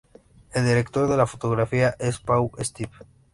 El director de fotografía es Pau Esteve.